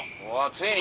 ついに？